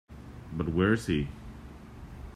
But where is he?